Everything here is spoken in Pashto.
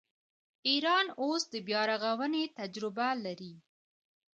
ایران اوس د بیارغونې تجربه لري.